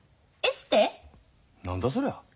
何だそりゃ。